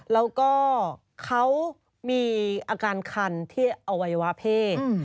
แล้วก็เขามีอาการคันที่อวัยวะเพศ